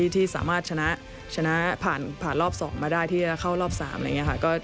ที่สามารถชนะผ่านรอบ๒มาได้ที่จะเข้ารอบ๓อะไรอย่างนี้ค่ะ